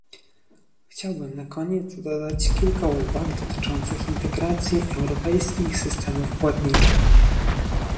Chciałbym na koniec dodać kilka uwag dotyczących integracji europejskich systemów płatniczych